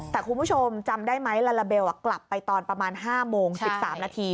แต่คุณผู้ชมจำได้ไหมลาลาเบลกลับไปตอนประมาณ๕โมง๑๓นาที